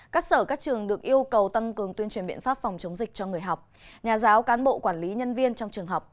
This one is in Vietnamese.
các sở các trường được yêu cầu tăng cường tuyên truyền biện pháp phòng chống dịch cho người học nhà giáo cán bộ quản lý nhân viên trong trường học